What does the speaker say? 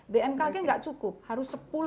bmkg tidak cukup harus sepuluh model